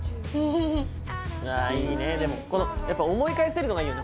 あぁいいねでもこのやっぱ思い返せるのがいいよね。